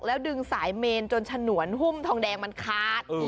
แล้วดึงสายเมนจนฉนวนหุ้มทองแดงมันขาด